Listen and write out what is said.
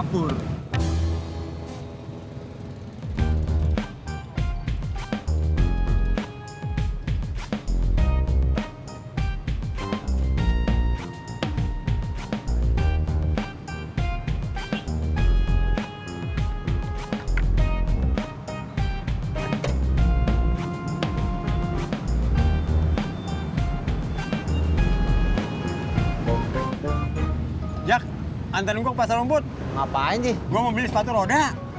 hai jak antar engkok pasar rambut ngapain sih gua mau beli sepatu roda